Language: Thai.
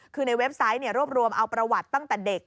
คือในเว็บไซต์รวบรวมเอาประวัติตั้งแต่เด็ก